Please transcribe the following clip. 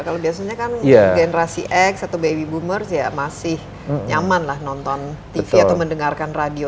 kalau biasanya kan generasi x atau baby boomers ya masih nyaman lah nonton tv atau mendengarkan radio